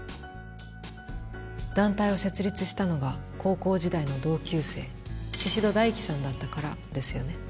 団体を設立したのが高校時代の同級生宍戸大樹さんだったからですよね。